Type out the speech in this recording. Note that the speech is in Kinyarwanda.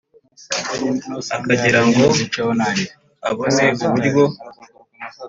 akagira ngo abone uburyo